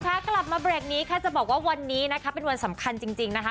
กลับมาเบรกนี้ค่ะจะบอกว่าวันนี้นะคะเป็นวันสำคัญจริงนะคะ